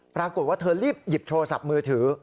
ปรากฏว่าเธอรีบหยิบโทรศัพท์มือถือ